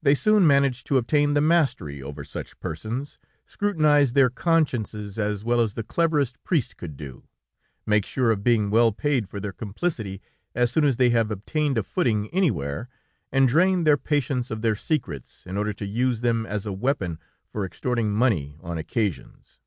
They soon manage to obtain the mastery over such persons, scrutinize their consciences as well as the cleverest priest could do, make sure of being well paid for their complicity as soon as they have obtained a footing anywhere, and drain their patients of their secrets, in order to use them as a weapon for extorting money on occasions.